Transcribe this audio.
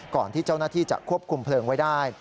ก่อนที่เจ้าหน้าที่จะควบคุมเพลิงไว้ได้